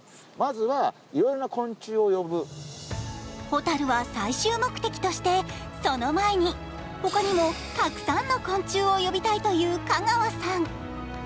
ホタルは最終目的として、その前に他にもたくさんの昆虫を呼びたいという香川さん。